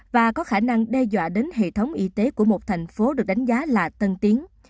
và có khả năng đe dọa đến hệ thống y tế của một thành phố được đánh giá là tân tiến